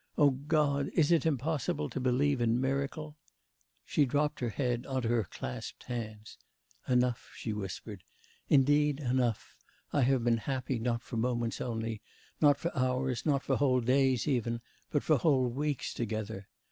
O God! is it impossible to believe in miracle?' She dropped her head on to her clasped hands. 'Enough,' she whispered. 'Indeed enough! I have been happy not for moments only, not for hours, not for whole days even, but for whole weeks together.